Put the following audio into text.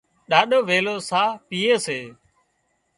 ڏاڏو ويلِي ساهَه پيئي سي